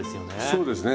そうですね。